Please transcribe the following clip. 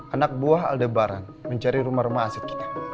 anak buah aldebaran mencari rumah rumah aset kita